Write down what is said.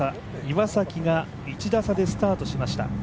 岩崎が１打差でスタートしました。